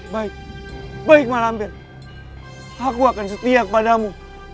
baik baik ma'amber aku akan setia kepadamu